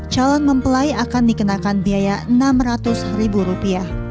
calon mempelai akan dikenakan biaya rp enam ratus